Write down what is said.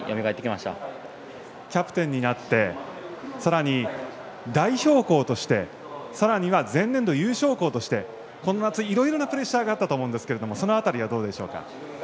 キャプテンになってさらに代表校としてさらには前年度優勝校としてこの夏はいろいろなプレッシャーがあったかと思いますがその辺りはどうでしょうか。